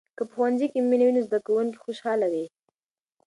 که په ښوونځي کې مینه وي، نو زده کوونکي خوشحال وي.